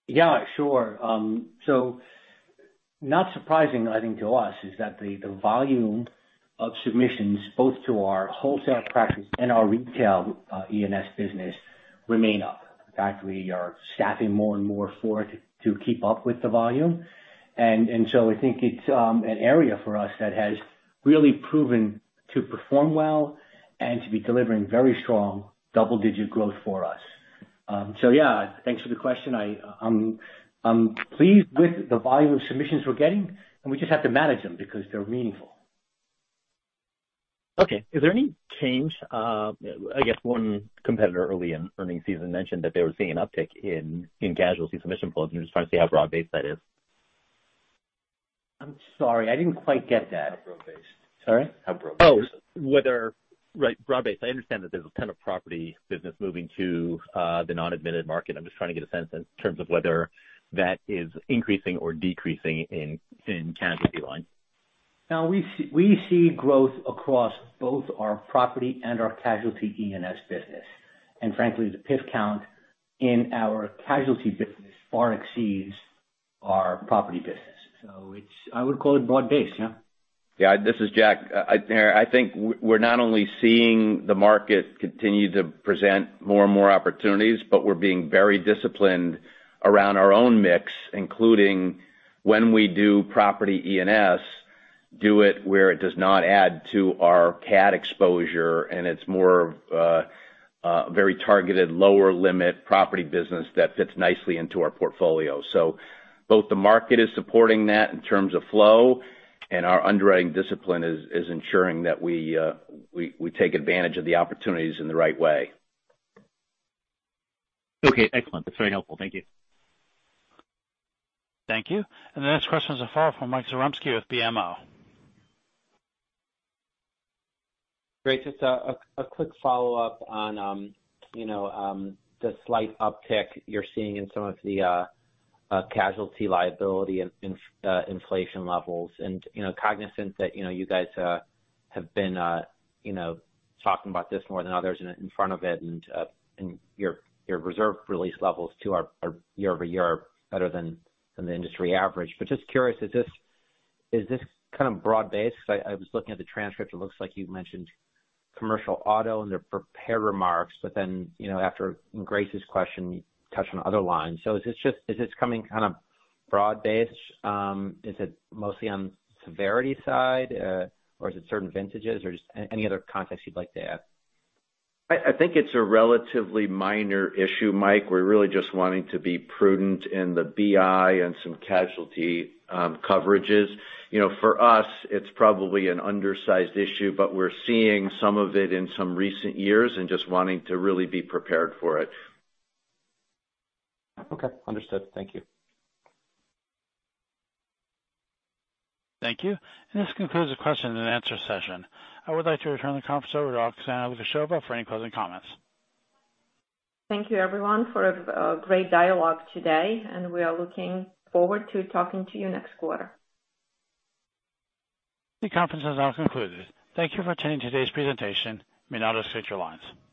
S10: Yeah, sure. Not surprising, I think, to us, is that the, the volume of submissions, both to our wholesale practice and our retail, E&S business, remain up. In fact, we are staffing more and more for it to, to keep up with the volume. I think it's an area for us that has really proven to perform well and to be delivering very strong double-digit growth for us. Yeah, thanks for the question. I, I'm, I'm pleased with the volume of submissions we're getting, and we just have to manage them because they're meaningful.
S12: Okay. Is there any change, I guess one competitor early in earnings season mentioned that they were seeing an uptick in, in casualty submission flows, and I'm just trying to see how broad-based that is?
S10: I'm sorry, I didn't quite get that.
S3: How broad-based?
S10: Sorry?
S3: How broad-based?
S10: Oh, whether, right, broad-based.
S12: I understand that there's a ton of property business moving to, the non-admitted market. I'm just trying to get a sense in terms of whether that is increasing or decreasing in, in casualty lines.
S10: No, we see, we see growth across both our property and our casualty E&S business. Frankly, the PIF count in our casualty business far exceeds our property business. It's, I would call it broad-based, yeah.
S3: Yeah, this is Jack. I think we're not only seeing the market continue to present more and more opportunities, but we're being very disciplined around our own mix, including when we do property E&S, do it where it does not add to our CAT exposure, and it's more of a very targeted, lower limit property business that fits nicely into our portfolio. Both the market is supporting that in terms of flow, and our underwriting discipline is ensuring that we take advantage of the opportunities in the right way.
S12: Okay, excellent. That's very helpful. Thank you.
S1: Thank you. The next question is a follow-up from Mike Zaremski with BMO.
S7: Great. Just a, a quick follow-up on, you know, the slight uptick you're seeing in some of the, casualty liability and inflation levels. You know, cognizant that, you know, you guys, have been, you know, talking about this more than others and in front of it, and, and your, your reserve release levels, too, are, are year-over-year, better than, than the industry average. Just curious, is this, is this kind of broad-based? I, I was looking at the transcript. It looks like you mentioned commercial auto in the prepared remarks, but then, you know, after Grace's question, you touched on other lines. Is this coming kind of broad-based? Is it mostly on the severity side, or is it certain vintages or just any other context you'd like to add?
S3: I think it's a relatively minor issue, Mike. We're really just wanting to be prudent in the BI and some casualty coverages. You know, for us, it's probably an undersized issue, but we're seeing some of it in some recent years and just wanting to really be prepared for it.
S7: Okay, understood. Thank you.
S1: Thank you. This concludes the question and answer session. I would like to return the conference over to Oksana Lukasheva for any closing comments.
S2: Thank you, everyone, for a, a great dialogue today. We are looking forward to talking to you next quarter.
S1: The conference has now concluded. Thank you for attending today's presentation, you may now switch off your lines.